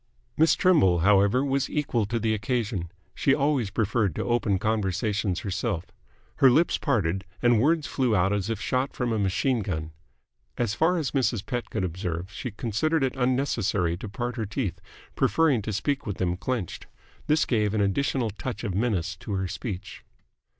Miss Trimble, however, was equal to the occasion. She always preferred to open conversations herself. Her lips parted, and words flew out as if shot from a machine gun. As far as Mrs. Pett could observe, she considered it unnecessary to part her teeth, preferring to speak with them clenched. This gave an additional touch of menace to her speech.